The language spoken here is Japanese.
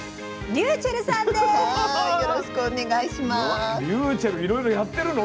ｒｙｕｃｈｅｌｌいろいろやってるの？